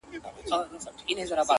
که په ژړا کي مصلحت وو؛ خندا څه ډول وه؛